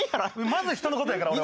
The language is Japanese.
まず人の事やから俺は。